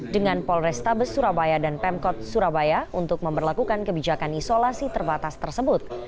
dengan polrestabes surabaya dan pemkot surabaya untuk memperlakukan kebijakan isolasi terbatas tersebut